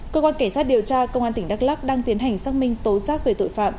cơ quan cảnh sát điều tra công an tỉnh đắk lắc đang tiến hành xác minh tố giác về tội phạm